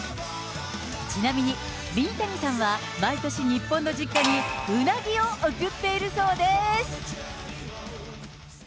ちなみに、ミニタニさんは、毎年日本の実家にウナギを贈っているそうでーす。